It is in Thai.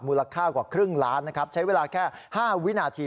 มูลค่ากว่าครึ่งล้านนะครับใช้เวลาแค่๕วินาที